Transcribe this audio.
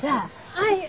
はい。